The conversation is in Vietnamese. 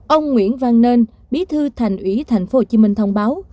ông nguyễn văn nên bí thư thành ủy tp hcm thông báo